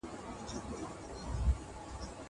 پاکوالی د مور له خوا کيږي!